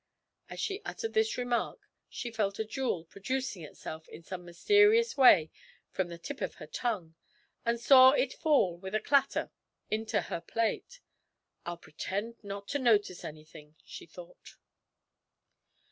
As she uttered this remark, she felt a jewel producing itself in some mysterious way from the tip of her tongue, and saw it fall with a clatter into her plate. 'I'll pretend not to notice anything,' she thought.